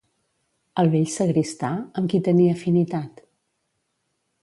El vell sagristà, amb qui tenia afinitat?